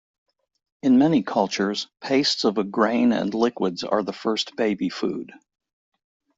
In many cultures, pastes of a grain and liquids are the first baby food.